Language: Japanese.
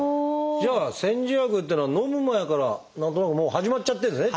じゃあ煎じ薬っていうのはのむ前から何となくもう始まっちゃってるんですね